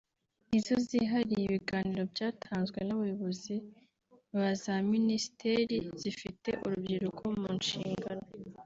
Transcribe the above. nizo zihariye ibiganiro byatanzwe n’abayobozi ba za Minisiteri zifite urubyiruko mu nshingano